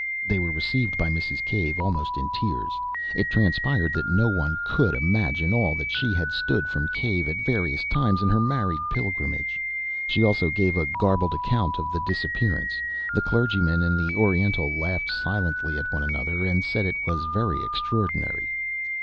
They were received by Mrs. Cave almost in tears. It transpired that no one could imagine all that she had stood from Cave at various times in her married pilgrimage.... She also gave a garbled account of the disappearance. The clergyman and the Oriental laughed silently at one another, and said it was very extraordinary.